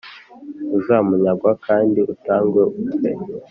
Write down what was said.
uzamunyagwa kandi utangwe upfe"